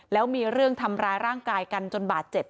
แล้วมีเรื่องทำร้ายร่างกายกันจนบาดเจ็บ